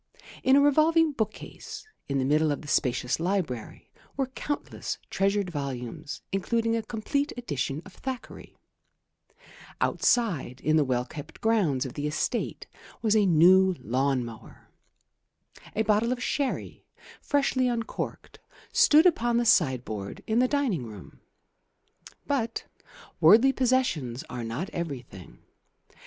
In a revolving book case in the middle of the spacious library were countless treasured volumes, including a complete edition of Thackeray; outside in the well kept grounds of the estate was a new lawn mower; a bottle of sherry, freshly uncorked, stood upon the sideboard in the dining room. But worldly possessions are not everything.